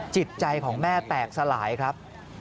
จิตใจของแม่แตกสลายครับ